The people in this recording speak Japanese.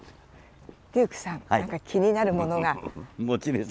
デュークさん何か気になるものが。